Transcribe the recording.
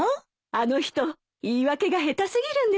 あの人言い訳が下手過ぎるんです。